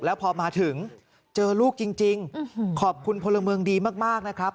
แล้วพอมาถึงเจอลูกจริงขอบคุณพลเมืองดีมากนะครับ